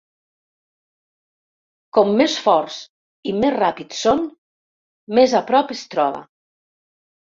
Com més forts i més ràpids són, més a prop es troba.